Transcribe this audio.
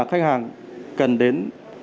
khách hàng cần đến